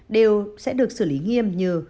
đều sẽ được xử lý nghiêm như